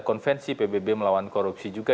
konvensi pbb melawan korupsi juga